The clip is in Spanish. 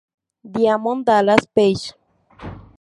Diamond Dallas Page